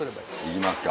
行きますか。